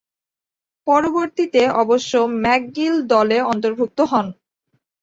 পরবর্তীতে অবশ্য ম্যাকগিল দলে অন্তর্ভুক্ত হন।